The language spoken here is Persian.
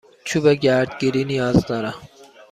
چوب گردگیری نیاز دارم.